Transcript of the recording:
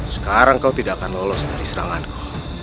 sekarang kau tidak akan lolos dari seranganku